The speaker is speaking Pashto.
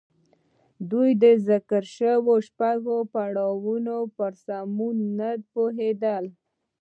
دوی د ذکر شويو شپږو پړاوونو پر سموالي نه دي پوهېدلي.